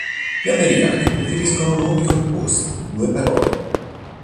Gli americani preferiscono nomi composti di due parole.